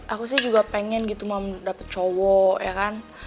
aku sih juga pengen gitu mau dapat cowok ya kan